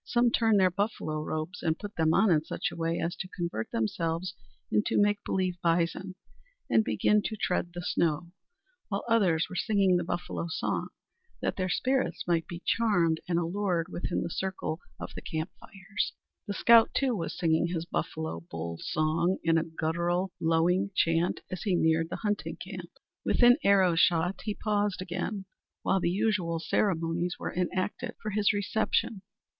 Some turned their buffalo robes and put them on in such a way as to convert themselves into make believe bison, and began to tread the snow, while others were singing the buffalo song, that their spirits might be charmed and allured within the circle of the camp fires. The scout, too, was singing his buffalo bull song in a guttural, lowing chant as he neared the hunting camp. Within arrow shot he paused again, while the usual ceremonies were enacted for his reception.